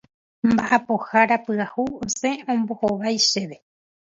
Mba'apohára pyahu osẽ ombohovái chéve.